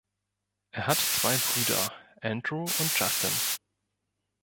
Er hat zwei Brüder, Andrew und Justin.